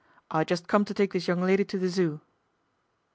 " I just come to take this young lady to the Zoo."